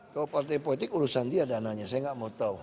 kalau partai politik urusan dia dananya saya nggak mau tahu